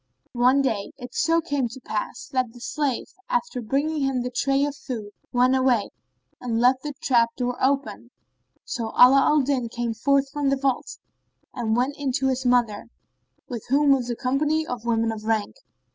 One day it so came to pass that the slave, after bringing him the tray of food went away and left the trap door open: so Ala al Din came forth from the vault and went in to his mother, with whom was a company of women of rank.